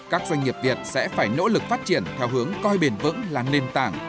các doanh nghiệp việt sẽ phải nỗ lực phát triển theo hướng coi bền vững là nền tảng